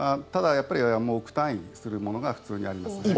ただ、やっぱり億単位するものが普通にあります。